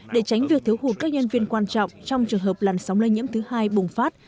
để tránh việc thiếu hụt các nhân viên quan trọng trong trường hợp làn sóng lây nhiễm thứ hai bùng phát